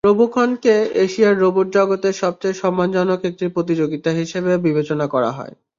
রোবকনকে এশিয়ার রোবট জগতের সবচেয়ে সম্মানজনক একটি প্রতিযোগিতা হিসেবে বিবেচনা করা হয়।